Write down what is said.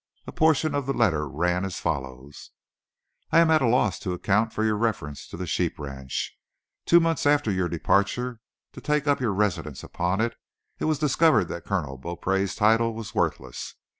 A portion of the letter ran as follows: "I am at a loss to account for your references to the sheep ranch. Two months after your departure to take up your residence upon it, it was discovered that Colonel Beaupree's title was worthless.